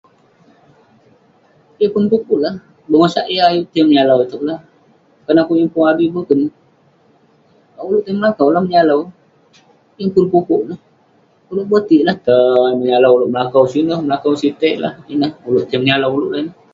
Yeng pun pukuk lah..bengosak yah ayuk menyalau itouk neh, kerna akouk yeng pun adui boken..ulouk tai melakau lah, menyalau..yeng pun pukuk neh..ulouk botik lah, tai menyalau..ulouk melakau sineh, melakau sitey lah..ineh ulouk tai menyalau ulouk lah ineh..